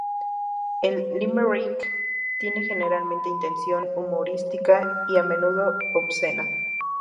El "limerick" tiene generalmente intención humorística, y a menudo obscena.